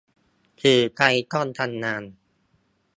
สื่อไทยต้องทำงาน